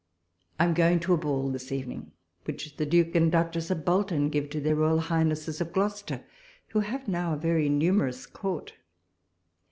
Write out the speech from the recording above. I am going to a ball this evening which the Duke and Duchess of Bolton give to their Royal Highnesses of Gloucester, who have now a very numerous Court.